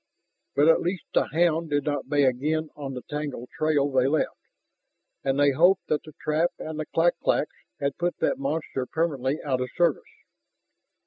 But at least the hound did not bay again on the tangled trail they left, and they hoped that the trap and the clak claks had put that monster permanently out of service.